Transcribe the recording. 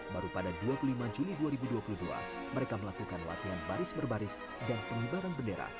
baru pada dua puluh lima juni dua ribu dua puluh dua mereka melakukan latihan baris berbaris dan pengibaran bendera